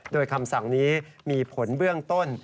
โดยคำสั่งนี้มีผลเบื้องต้น